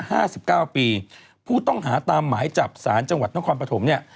ห้าสิบเก้าปีผู้ต้องหาตามหมายจับสารจังหวัดนครปฐมเนี่ย